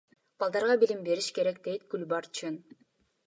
Балдарга билим бериш керек, — дейт Гүлбарчын.